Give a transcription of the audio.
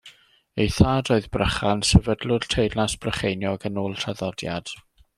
Ei thad oedd Brychan, sefydlwr teyrnas Brycheiniog yn ôl traddodiad.